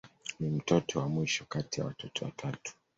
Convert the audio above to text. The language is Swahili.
Ni mtoto wa mwisho kati ya watoto watatu.